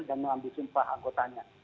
dan mengambil sumpah anggotanya